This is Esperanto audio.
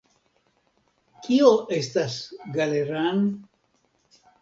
Kio estas Galeran?